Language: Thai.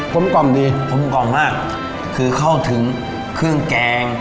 ลมกล่อมดีกลมกล่อมมากคือเข้าถึงเครื่องแกง